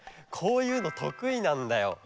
こういうのとくいなんだよ。